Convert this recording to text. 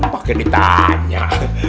pak ya ditanya